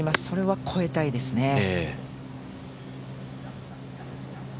それは越えたいですね。